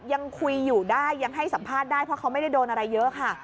ยังคุยอยู่ได้ยังให้สัมภาษณ์ได้เพราะเขาไม่ได้โดนอะไรเยอะค่ะ